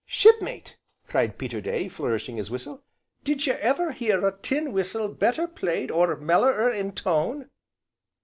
"Shipmate!" cried Peterday, flourishing his whistle, "did ye ever hear a tin whistle better played, or mellerer in tone?"